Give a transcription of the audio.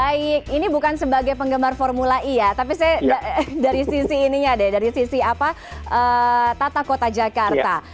baik ini bukan sebagai penggemar formula e ya tapi saya dari sisi ininya deh dari sisi tata kota jakarta